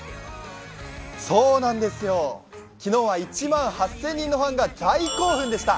そうなんですよ、昨日は１万８０００人のファンが大興奮でした。